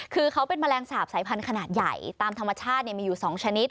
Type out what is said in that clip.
คือเขาเป็นแมลงสาปสายพันธุ์ขนาดใหญ่ตามธรรมชาติมีอยู่๒ชนิด